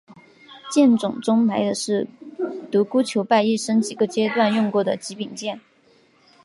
剑冢中埋的是独孤求败一生几个阶段中用过的几柄剑。